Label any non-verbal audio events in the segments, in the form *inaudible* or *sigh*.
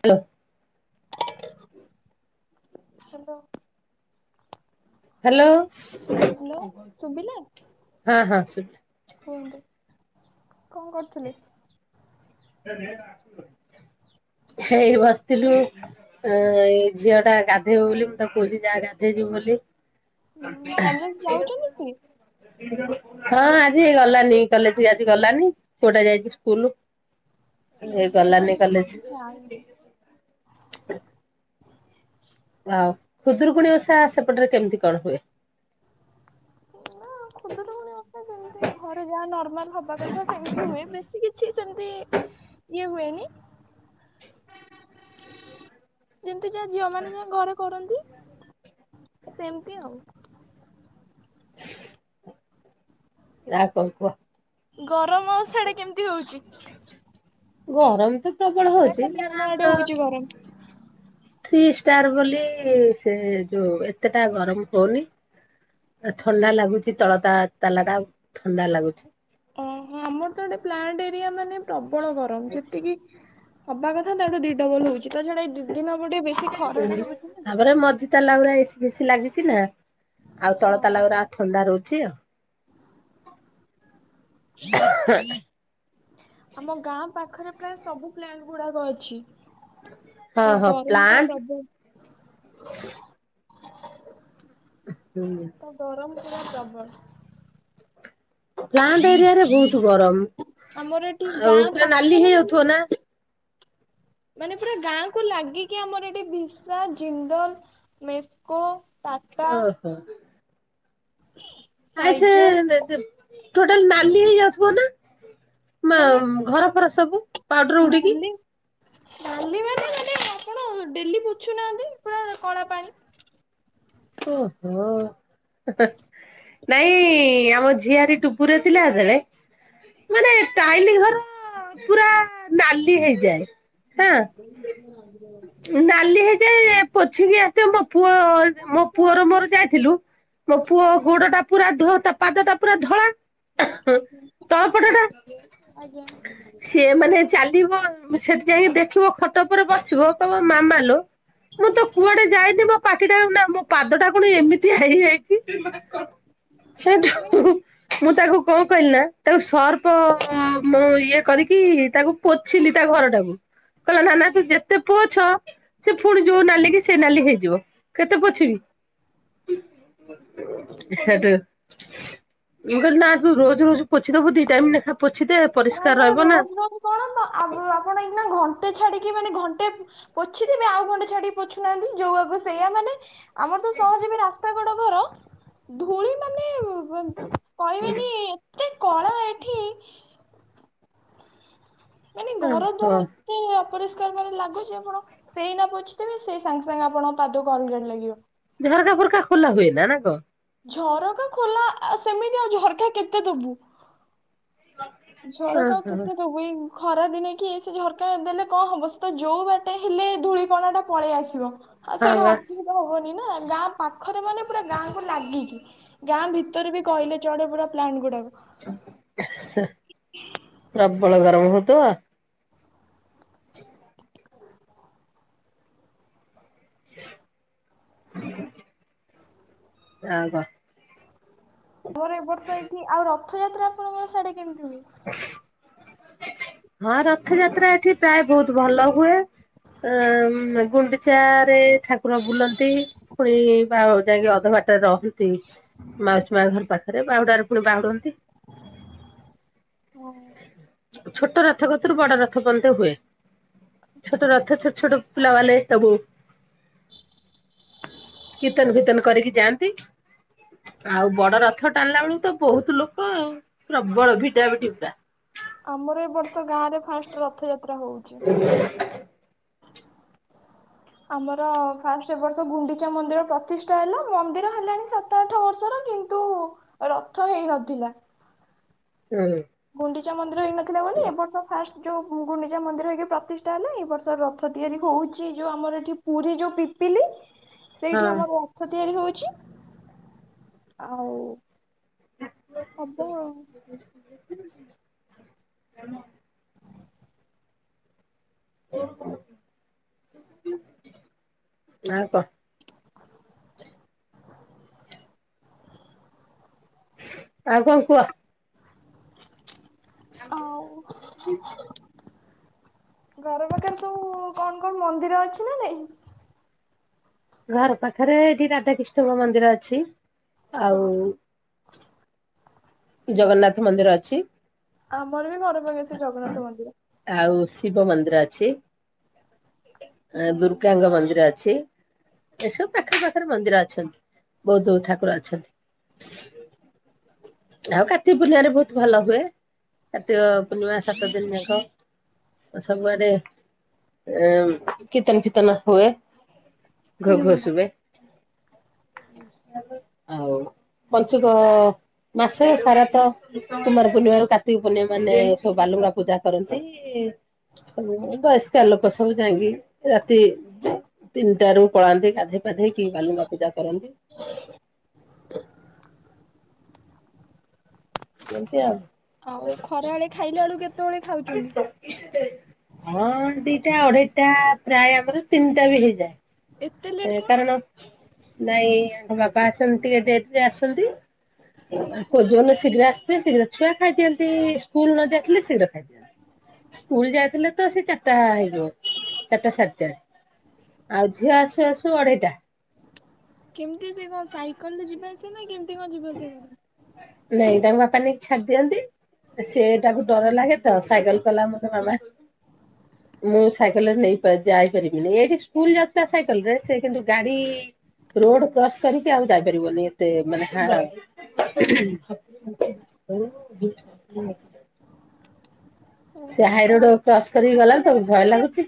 Hello. *inaudible* Hello. Hello. Hello ଶୁବିଲା। ହଁ ହଁ ଶୁଭିଲା କୁହନ୍ତୁ କଁ କରୁଥିଲେ? ହେଇ ବସ୍ଥିଲୁ। ହ ଏଇ ଝିଅ ଟା ଗାଧେଇବ ବୋଲି ମୁଁ ତାକୁ କହୁଚି ଯାଆ ଗାଧେଇ ଯିବୁ ବୋଲି। ଉଁ କଲେଜ ଯାଉଛନ୍ତି ସେ *unintelligible* ହଁ ଆଜି ଗଲାନି କଲେଜି ଆଜି ଗଲାନି ପୁଅଟା ଯାଇଚି ସ୍କୁଲୁ। ହୁଁ ମୁଁ ବି ତ ଯାଇନି। ଆଉ ଖୁଦରୁକୁଣୀ ଓଷା ସେପଟରେ କେମ୍ତି କଣ ହୁଏ? *unintelligible* ଖୁଦୁରୁକୁଣୀ ଓଷା ଯେମ୍ତି ଘରେ ଯା ନର୍ମାଲ୍ ହବା କଥା ସେମିତି ହୁଏ ବେଶୀ କିଛି ସେମ୍ତି ଇଏ ହୁଏନି। ଯେମ୍ତି ଯା ଝିଅ ମାନେ ଯା ଘରେ କରନ୍ତି ସେମ୍ତି ଆଉ। *inaudible* *unintelligible* କଁ କୁଅ? ଗରମ ସିଆଡେ କେମ୍ତି ହଉଚି? ଗରମ୍ ତ ପ୍ରବଳ ହଉଚି ହେଲେ ଆମର ଗରମ୍। ଥ୍ରୀ ଷ୍ଟାର୍ ବୋଲି ସେ ଯୋଉ ଏତେଟା ଗରମ୍ ହଉନି। ଆ ଥଣ୍ଡା ଲାଗୁଚି ତଳ ତା ତାଲାଟା ଥଣ୍ଡା ଲାଗୁଛି। ଅଁ ହଁ ଆମର ତ ଏଠି ପ୍ଲାଣ୍ଟ୍ ଏରିଆ ମାନେ ପ୍ରବଳ ଗରମ ଯେତିକି ହବା କଥା ତାଠୁ ଦି ଡବଲ୍ ହଉଚି ତାଛଡା ଏଇ ଦି ଦିନ୍ ହବ ଟିକେ ବେଶୀ ଖରଟା ହଉଛି ନା। ତାପରେ ମଝି ତାଲା ଗୁଡା ଏସି ଫେଶି ଲାଗିଛି ନା ଆଉ ତଳ ତାଲା ହଁ। ଗୁରା ଆ *unintelligible* ଥଣ୍ଡା ରହୁଛି ଆଉ *unintelligible* ଆମ ଗାଁ ପାଖରେ ପ୍ରାୟ ସବୁ ପ୍ଲାଣ୍ଟ୍ ଗୁଡାକ ଅଛି। ହଁ ତ ହଁ ଗରମ୍ ତା ପ୍ଲାଣ୍ଟ ପ୍ରଭୁ। ଉ ହୁଁ। ତ ଗରମ ପୁରା ପ୍ରବଳ୍। ପ୍ଲାଣ୍ଟ୍ ଏରିଆ ରେ ବହୁତ୍ ଗରମ୍। ଆମର ଏଠି ଗାଁ ପାଖରେ ମାନେ ହେଇଯାଉଥିବ ନା? ମାନେ ପୁରା ଗାଁ କୁ ଲାଗିକି ଆମର ଏଠି ଭିସା, ଜିନ୍ଦଲ ମେ କ ଟା ଟା। ହଁ,। *unintelligible* ନାଇଁ ସେ ଦେଦେଲ ଟୋଟାଲ ନାଲି ହେଇଯାଉଥିବ ନା। ମା ଘର ଫର ସବୁ। ପାଉଡର ଉଡିକି। ମାନେ। ନାଲି ମାନେ, ମାନେ ଆପଣ ଡେଲି ପୋଛୁନାହାନ୍ତି ପୁରା କଳା ପାଣି। ଓହୋ! ହିଁ, ନାଇଁ ଆମ ଝିଆରୀ ଟୁ ପୁର ଥିଲା ବେଳେ ମାନେ ଟାଇଲି ଘର ପୁରା ନାଲି ହେଇଯାଏ। ହଁ, ନାଲି ହେଇଯାଏ ପୋଛିକି ଆସେ ମୋ ପୁଅ ମୋ ପୁଅର ମୋର ଯାଇଥିଲୁ। ମୋ ପୁଅ ଆଜ୍ଞା ଗୋଡ଼ ଟା ପୁରା ଧ ତା ପାଦ ଟା ପୁରା ଆଜ୍ଞା ଧଳା। ତଳ ପଟ ଟା। ସିଏ ମାନେ ଆଜ୍ଞା! ଚାଲିବ ସେଠି ଯାଇ ଦେଖିବ ଖଟ ଉପରେ ବସିବ କହିବ ମାମା ଲୋ ମୁଁ ତ କୁଆଡେ ଯାଇନି, ମୋ ପାଖିଟା ନା ମୋ ପାଦଟା କଣ ଏମ ଏମିତିଆ ହେଇଯାଇଛି, ମାନେ ସେଇଠୁ ମୁଁ ତାକୁ କଣ କହିଲି ନା ତାକୁ ସର୍ପ ମୁଁ ଇଏ କରିକି ତାକୁ ପୋଛିିଲି ତା ଘରଟାକୁ। କହିଲ ନା ନା ଆଜ୍ଞା ତୁ ଯେତେ ପୁଅଛ ସେ ପୁଣି ଯୋଉ ନାଲି କି ସେ ନାଲି ହେଇଯିବ କେତେ ଆଜ୍ଞା ପୋଛିବି। ସେଠୁ ମୁଁ କହିଲି ନା ତୁ ରୋଜ ରୋଜ ପୋଛିଦବୁ ଦି ଟାଇମ୍ ଲେଖା ପୋଛି ଦେ ନା ପରିଷ୍କାର ରହିବ ନା। ରୋଜ ରୋଜ କଣ ଆପଣ ଏଇନା ଘଣ୍ଟେ ଛାଡିକି ମାନେ ଘଣ୍ଟେ ପୋଛିଥିବେ ଆଉ ଗଣ୍ଡେ ଛାଡିକି ପୋଛୁନାହାନ୍ତି ଯୋଉ ଆକୁ ସେଇଆା ମାନେ ଆମର ତ ସହଜୀବୀ ରାସ୍ତା କଡ ଘର ଧୂଳି ମାନେ- କହିବେନି ଏତେ କଳା ଏଠି- ମାନେ ଘର ଓହୋ ଦୂର ଏତେ ଅପରିଷ୍କାର ମାନେ ଲାଗୁଛି ଆପଣ ସେଇ ନ ବୋଝିଥିବେ ସେଇ ସାଙ୍ଗେ ସାଙ୍ଗେ ଆପଣଙ୍କ ପାଦକୁ ଅଲଗାରେ ଲାଗିବ। ଝରକା ଫରକା ଖୋଲା ହୁଏ ନା ନା କଣ? ଝରକା ଖୋଲା ଆ ସେମିତି ଆଉ ଝରକା କେତେ ଦବୁ। ଝରକା ଆଉ ଓହୋ କେତେ ଦବୁ। ପୁଇ ଖରା ଦିନେ କି ଏ ଝରକା ଦେଲେ କଣ ହବ ସେ ତ ଯୋଉ ବାଟେ ହେଲେ ଧୂଳି କଣା ଟା ପଳେଇ ଆସିବ। ହଁ ସେଇଟା ଅସୁବିଧା ହବନି ନା ଗାଁ ପାଖରେ ମାନେ ପୁରା ଗାଁ କ ଲାଗିଛି। ଗାଁ ଭିତରେ ବି କହିଲେ ଚଢେ ପୁରା ପ୍ଲାଣ୍ଟ ଗୁଡାକ। ପ୍ରବଳ ଗରମ ହଉଥିବ। ର କ *inaudible* ମୋର ଏ ବର୍ଷ ଏଇଠି ଆଉ ରଥଯାତ୍ରା ଆପଣଙ୍କର ସାଢେ କେମିତି ହୁଏ। ହଁ ରଥଯାତ୍ରା ଏଠି ପ୍ରାୟ ବହୁତ ଭଲ ହୁଏ। ଅ ଗୁଣ୍ଡିଚା ରେ ଠାକୁର ବୁଲନ୍ତି। ପୁଣି ବା ଆଉ ଯାଇକି ଅଧ ବାଟରେ ରହନ୍ତି। ମାଉଛୀ ମା ଘର ପାଖରେ ବାହୁଡାରେ ପୁଣି ବାହୁଡନ୍ତି। ହୁଁ। ଛୋଟ ରଥ କତରୁ ବଡ ରଥ ବନ୍ତେ ହୁଏ ଆଚ୍ଛା ଛୋଟ ରଥ ଛୋଟ ଛୋଟ ପିଲା ମାନେ ସବୁ, କୀର୍ତ୍ତନ ଫିତର୍ତନ କରିକି ଯାଆନ୍ତି। ଆଉ ବଡ ରଥ ଟାଣିଲା ବେଳକୁ ତ ବହୁତ ଲୋକ ଆଉ ପ୍ରବଳ ଭିଡା ଭିଡି ପୁରା। ଆମର ଏ ବର୍ଷ ଗାଁ ରେ ଫାଷ୍ଟ ରଥଯାତ୍ରା ହଉଛି। ଆମର ଫାଷ୍ଟ ଏ ବର୍ଷ ଗୁଣ୍ଡିଚା ମନ୍ଦିର ପ୍ରତିଷ୍ଠା ହେଲା ମନ୍ଦିର ହେଲାଣି ସା ସାତ ଆଠ ବର୍ଷର କିନ୍ତୁ ରଥ ହେଇନଥିଲା। ହୁଁ। ଗୁଣ୍ଡିଚା ମନ୍ଦିର ହେଇ ନଥିଲା ବୋଲି ଏ ବର୍ଷ ଫାଷ୍ଟ ଯୋଉ ଗୁଣ୍ଡିଚା ମନ୍ଦିର ହେଇକି ପ୍ରତିଷ୍ଠା ହେଲା ଏ ବର୍ଷ ରଥ ତିଆରି ହଉଛି ଯୋଉ ଆମର ଏଠି ପୁରୀ ଯୋଉ ପିପିଲି ସେଇଠି ଆମର ହଁ ରଥ ତିଆରି ହଉଛି। ଆଉ ହବ ଆଉ। କାରଣ ନାଁ କ? *inaudible* ଆଉ କଣ କୁହ? ଆଉ ଘର ପାଖରେ ସବୁ କଣ କଣ ମନ୍ଦିର ଅଛି ନା ନାଇଁ? ଘର ପାଖରେ ଏଠି ରାଧା କିଷ୍ଣଙ୍କ ମନ୍ଦିର ଅଛି, ଆଉ ହଁ ଜଗନ୍ନାଥ ମନ୍ଦିର ଅଛି। ଆମର ବି ଘର ପାଖରେ ସେ ଜଗନ୍ନାଥ ମନ୍ଦିର। ଆଉ ଶିବ ମନ୍ଦିର ଅଛି। ଆ ଦୁର୍ଗାଙ୍କ ମନ୍ଦିର ଅଛି। ଏସବୁ ପାଖ ପାଖରେ ମନ୍ଦିର ଅଛନ୍ତି ବହୁତ ଠାକୁର ଅଛନ୍ତି। ଆଉ କାର୍ତ୍ତିକ ପୂର୍ଣ୍ଣିମାରେ ବହୁତ ଭଲ ହୁଏ କାର୍ତ୍ତିକ ପୂର୍ଣ୍ଣିମା ସାତ ଦିନ ଯାକ। ସବୁଆଡେ ଉ କୀର୍ତ୍ତନ ଫିତନ ହୁଏ। ଘୋ ହୁଁ ଘୋ ସୁବେ। ଆଉ ପଞ୍ଚୁକ ମାସେ ସାରା ତ କୁମାର ପୂର୍ଣିମା ରୁ କାର୍ତ୍ତିକ ପୂର୍ଣ୍ଣିମା ମାନେ ସବୁ ବାଲୁଙ୍ଗା ପୂଜା କରନ୍ତି। ତି ବୟସ୍କା ଲୋକ ସବୁ ଯାଇକି ରାତି ତିନିଟା ରୁ ପଳାନ୍ତି ଗାଧୋଇ ପାଧେଇ କି ବାଲୁଙ୍ଗା ପୂଜା କରନ୍ତି। ଏମତି ଆଉ। ଆଉ ଖରାବେଳେ ଖାଇଲା ବେଳୁ କେତେବେଳେ ଖାଉଛନ୍ତି। ହଁ ଦିଟା ଅଢେଇଟା ପ୍ରାୟ ଆମର ତିନିଟା ବି ହେଇଯାଏ। ଏସ୍ କାରଣ ନାଇଁ ଆଙ୍କ ବାପ ଆସନ୍ତି ଟିକେ ଡେରି ରେ ଆସନ୍ତି। କୋଉ ଦିନ ଶିଘ୍ର ଆସୁବେ ଶିଘ୍ର ଛୁଆ ଖାଇଦିଅନ୍ତି ସ୍କୁଲ ନ ଯାଇ ଥିଲେ ଶୀଘ୍ର ଖାଇଦିଅନ୍ତି। ସ୍କୁଲ ଯାଇଥିଲେ ତ ସେ ଚାରିଟା ହେଇଯିବ ଚାରିଟା ସାଢେ ଚା ଆଉ ଝିଅ ଆସୁ ଆସୁ ଅଢେଇଟା। କେମିତି ସେ କଣ ସାଇକେଲ ରେ ଯିବା ଆସିବା ନା କେମିତି କଣ ଯିବା ଆସିବା କର ନାଇଁ ତାଙ୍କ ବାପା ନେଇକି ଛାଡି ଦିଅନ୍ତି। ସେ ତାକୁ ଡର ଲାଗେ ତ ସାଇକେଲ କହିଲା ମତେ ମାମା *unintelligible* ମୁଁ ସାଇକେଲରେ ନେଇ ପାରି ଯାଇପାରିବିନି ଏଇଠି ସ୍କୁଲ ଯାଉଥିଲା ସାଇକେଲ ରେ ସେ କିନ୍ତୁ ଗାଡି ରୋଡ କ୍ରସ୍ କରିକି ଆଉ ଯାଇପାରିବନି ଏତେ ମାନେ *unintelligible* ହଁ। ସେ ଓହୋ ହାଇ ଆଉ ରୋଡ କ୍ରସ କରିକି ଗଲା ଆସିଲା ତ ବେଳେ ଭୟ କେମିତି ଲାଗୁଛି।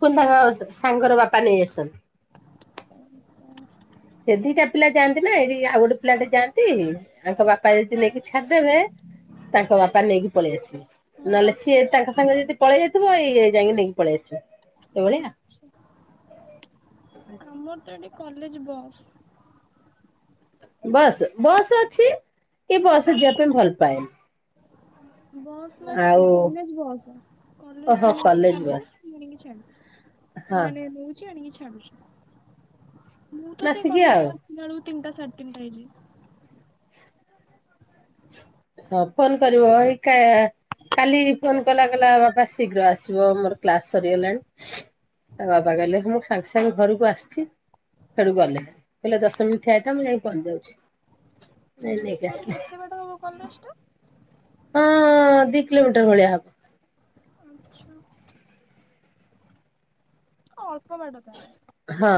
ଫୁନ ତାଙ୍କ ସାଙ୍ଗର ବାପା ନେଇ ଆସନ୍ତି। *unintelligible* ସେ ଦିଟା ପିଲା ଯାଆନ୍ତି ନା ଏଇଠି ଆଉ ଗୋଟେ ପିଲା ଟେ ଯାଆନ୍ତି। ତାଙ୍କ ବାପା ଯଦି ନେଇକି ଛାଡିଦବେ ତାଙ୍କ ବାପା ନେଇକି ପଳେଇ ଆସିବେ। ଆସନ୍ତି? ନହେଲେ ସିଏ ତାଙ୍କ ସାଙ୍ଗେ ଯଦି ପଳେଇ ଯାଇଥିବଇଏ ଯାଇକି ଯକି ପଳେଇ ଆସିବ ଏଭଳି। ଆଚ୍ଛା। ଆମର ତ ଏଠି କଲେଜ ବସ୍। ବସ୍ ବସ୍ ଅଛି ଏ ବସରେ ଯିବା ପାଇଁ ଭଲ ପାଏନି। ବସ୍ ମାନେ ସେ ଆଉ କଲେଜ ବସ୍, ଓହୋ କଲେଜ କଲେଜ ବସ୍ *unintelligible* ହଁ ମାନେ ନଉଛି ଆଣିକି ଛାଡୁଛି। ମୁଁ ତ ସେଇ ମାସିକିଆ କଲେଜ୍ ଆଉ ରୁ ଆସିଲା ବେଳକୁ ତିନିଟା ସାଢ଼େ ତିନିଟା ହେଇ ଯାଏ। ହଁ ଫୋନ୍ କରିବ ଏକା କାଲି ଫୋନ କଲା କଲା ବାପା ଶୀଘ୍ର ଆସିବ ମୋର କ୍ଲାସ ସରିଗଲାଣି। ଆଉ ବାବା କହିଲେଁ ମୁଁ ସାଙ୍ଗେ ସାଙ୍ଗେ ଘରକୁ ଆସିଛି। ସେଠୁ ଗଲେ କହିଲେ ଦଶ ମିନିଟ୍ ଠିଆ ହେଇଥା ମୁଁ ଯାଇକି ପହଞ୍ଚି ଯାଉଛି। ଫିର ନେଇକି ଆସିଲେ। କଲେଜ୍ ଟା ହଁ ଦି କିଲୋମିଟର ଭଳିଆ ହବ। ଆଚ୍ଛା। ଅଳ୍ପ ବାଟ ତାହେଲେ। ହଁ।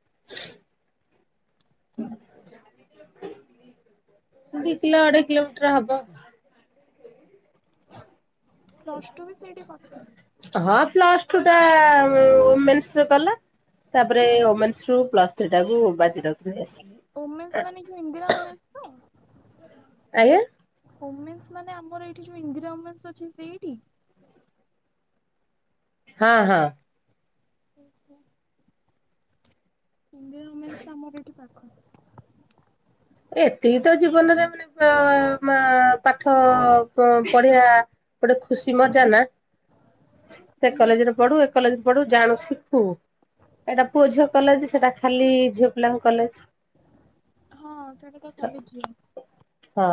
*unintelligible* ଦି କିଲୋ ଅଢେଇ କିଲୋମିଟର ହବ। *unintelligible* ପ୍ଲସ ଟୁ ବି ସେଇଠି କରିଥିଲି। ହଁ ପ୍ଲସ ଟୁ ଟା ଓମେନ୍ସ ରେ କଲା। ତାପରେ ଓମେନ୍ସୁ ରୁ ପ୍ଲସ୍ ଥ୍ରୀ ଟାକୁୁ ବାଜି ରଖି ଆସିଲି। ଓମେନ୍ସ ମାନେ ଯୋଉ ଇନ୍ଦିରା ଓମେନ୍ସ ତ? ଆଜ୍ଞା। ଓମେନ୍ସ ମାନେ ଆମର ଏଠି ଯୋଉ ଇନ୍ଦିରା ଓମେନ୍ସ ଅଛି ସେଇଠି? ହଁ ହଁ। ହିନ୍ଦୁ ଓମେନ୍ସ ଆମର ତ ଏଠି ପାଖ। ଏତିକି ତ ଜୀବନରେ ମାନେ ପାଠ ପଢିବା ଗୋଟେ ଖୁସି ମଜା ନା ସେ କଲେଜରେ ପଢୁ ଏ କଲେଜରେ ପଢୁ ଜାଣୁ ଶିଖୁ ଏଇଟା ପୁଅ ଝିଅ କଲେଜ୍ ସେଟା ଖାଲି ଝିଅ ପିଲାଙ୍କ କଲେଜ୍। ସେଠି ତ ଖାଲି ଝିଅ। ହଁ।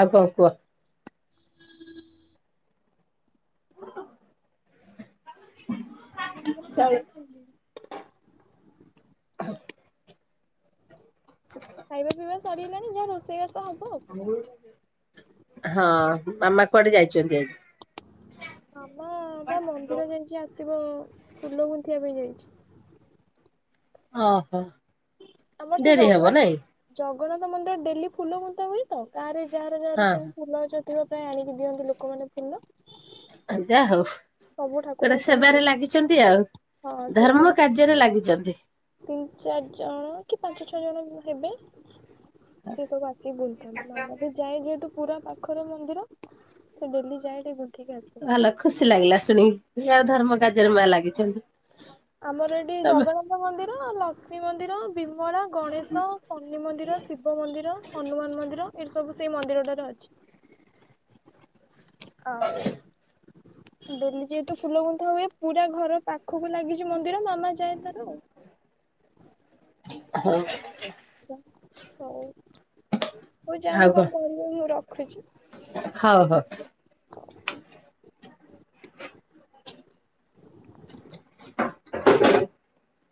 ଆଉ କଣ କୁହ? ସମସ୍ତେ *unintelligible* ଖାଇସାରିଲେଣି। ହଁ। ଧ ଖାଇବା ପିଇବା ସରିଗଲାଣି ଯାହା ରୋଷେଇ ବାସ ହବ। ହଁ ମାମା କୁଆଡେ ଯାଇଚନ୍ତି ଆଜି? ମାମା ମାମା ମନ୍ଦିର ଯାଇଚି ଆସିବ ଫୁଲ ଗୁନ୍ଥିବା ପାଇଁ ଯାଇଚି। ଓହୋ। ଆମର ସେ ଡେରି ହବ ଜଗନ୍ନାଥ ନାଇଁ? ଜଗନ୍ନାଥ ମନ୍ଦିର ଡେଲି ଫୁଲ ଗୁନ୍ଥା ହୁଏ ତ। ଗାଁରେ ଯାହାର ଯାହାର ହଁ ସବୁ ଫୁଲ ଅଛ ଥିବ ପ୍ରାୟ ଆଣିକି ଦିଅନ୍ତି ଲୋକମାନେ ଫୁଲ। ଯାହା ହୋଉ। ସବୁ ଗୋଟେ ଠାକୁରଙ୍କ ପାଇଁ ହୁଏ ସେବାରେ ଲାଗିଚନ୍ତି ଆଉ ହଁ ସେ ଧର୍ମ ତିନି କାର୍ଯ୍ୟରେ ଲାଗିଚନ୍ତି। ତିନି ଚାରି ଜଣ କି ପାଞ୍ଚ ଛଅ ଜଣ ହେବେ ସେ ସବୁ ଆସିକି ଗୁନ୍ଥନ୍ତି ମାମା ବି ଯାଏ ଯେହେତୁ ପୁରା ପାଖରେ ମନ୍ଦିର ସେ ଡେଲି ଯାଏ ଟିକେ ଗୁନ୍ଥିକି ଆସେ। ଭଲ ଖୁସି ଲାଗିଲା ଶୁଣିକି। ଯାହା ହୋଉ ଧର୍ମ କାର୍ଯ୍ୟରେ ମା ଲାଗିଚନ୍ତି। ଆମର ଏଠି ଜଗନ୍ନାଥ ମନ୍ଦିର ଲକ୍ଷ୍ମୀ ମନ୍ଦିର ବିମଳା, ଗଣେଶ ଶନି ମନ୍ଦିର ଶିବ ମନ୍ଦିର ହନୁମାନ ମନ୍ଦିର ଏ ସବୁ ସେଇ ମନ୍ଦିରଟାରେ ଅଛି। ଆଉ ଡେଲି ଯେହେତୁ ଫୁଲ ଗୁନ୍ଥା ହୁଏ ପୁରା ଘର ପାଖକୁ ଲାଗିଚି ମନ୍ଦିର ମାମା ଯାଏ ତାର। ହଁ। *unintelligible* ଆଚ୍ଛା *unintelligible* ହୋଉ ହୋଉ ଯାଆନ୍ତୁ କଣ କରିବେ ମୁଁ ରଖୁଚି। ହୋଉ ହୋଉ। *inaudible*